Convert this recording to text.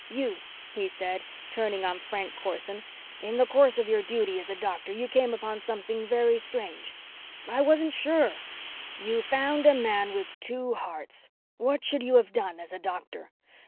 "You," he said, turning on Frank Corson. "In the course of your duty as a doctor, you came upon something very strange." "I wasn't sure!" "You found a man with two hearts. What should you have done as a doctor?